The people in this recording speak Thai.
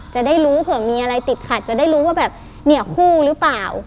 จะได้รู้เผื่อมีอะไรติดขัดจะได้รู้ว่าแบบเนี่ยคู่หรือเปล่า